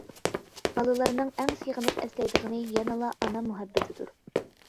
بالىلارنىڭ ئەڭ سېغىنىپ ئەسلەيدىغىنى يەنىلا ئانا مۇھەببىتىدۇر.